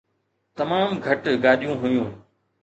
تمام گهٽ گاڏيون هيون.